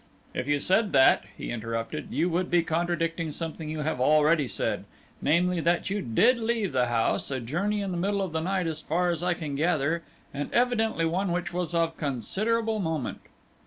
"If you said that," he interrupted, "you would be contradicting something you have already said; namely, that you did leave the house, a journey in the middle of the night as far as I can gather, and evidently one which was of considerable moment."